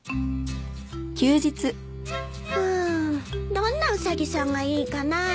どんなウサギさんがいいかな。